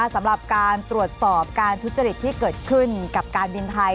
สำหรับการตรวจสอบการทุจริตที่เกิดขึ้นกับการบินไทย